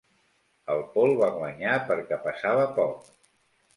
El Paul va guanyar perquè pesava poc.